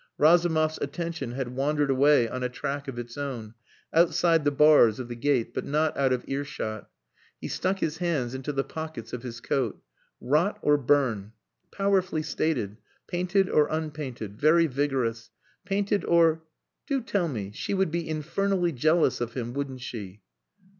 Razumov's attention had wandered away on a track of its own outside the bars of the gate but not out of earshot. He stuck his hands into the pockets of his coat. "Rot or burn! Powerfully stated. Painted or unpainted. Very vigorous. Painted or...Do tell me she would be infernally jealous of him, wouldn't she?"